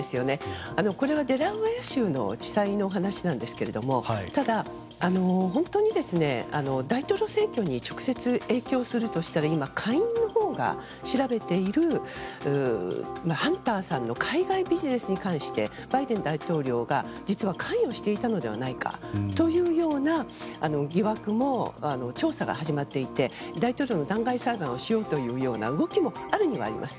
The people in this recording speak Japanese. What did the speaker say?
これはデラウェア州の地裁の話なんですがただ、本当に大統領選挙に直接影響するとしたら今、下院のほうが調べているハンターさんの海外ビジネスに関してバイデン大統領が実は関与していたのではないかというような疑惑も調査が始まっていて大統領の弾劾裁判をしようという動きもあるにはあります。